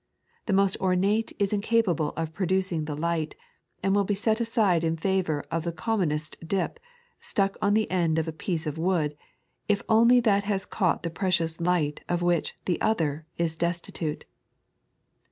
The most om&te is incapable of producing the Light, and will be set a^de in favour of the commonest dip, stuck on the end of a piece of wood, if only that has caught the precious light of which the other is destitute.